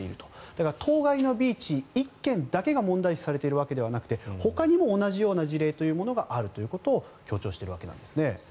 だから、当該のビーチ１軒だけが問題視されているわけではなくてほかにも同じような事例があるということを強調しているわけです。